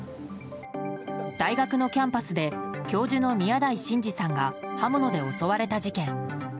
大学のキャンパスで教授の宮台真司さんが刃物で襲われた事件。